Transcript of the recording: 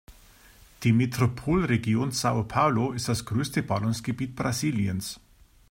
Die Metropolregion São Paulo ist das größte Ballungsgebiet Brasiliens.